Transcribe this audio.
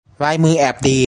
ลายมือแอบดี